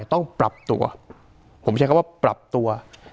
ต้องปรับตัวผมใช้คำว่าปรับตัว